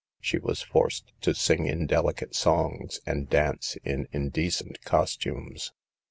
She was forced to sing indelicate songs, and dance in indecent costumes.